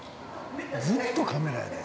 ずっとカメラやで。